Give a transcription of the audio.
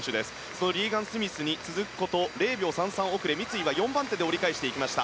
そのリーガン・スミスに続くこと０秒３３遅れ、三井は４番手で折り返しました。